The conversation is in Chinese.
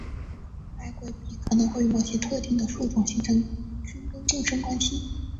白鬼笔可能会与某些特定的树种形成菌根共生关系。